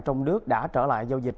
trong nước đã trở lại giao dịch